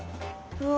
うわ！